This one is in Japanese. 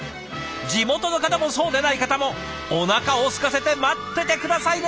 地元の方もそうでない方もおなかをすかせて待ってて下さいね！